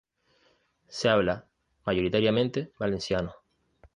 Se habla mayoritariamente valenciano.